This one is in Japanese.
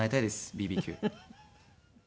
ＢＢＱ。